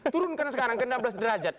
turunkan sekarang ke enam belas derajat